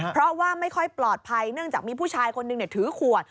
เพราะว่าไม่ค่อยปลอดภัยเนื่องจากมีผู้ชายคนนึงถือขวด